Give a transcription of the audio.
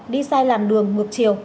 đi sai làn đường ngược chiều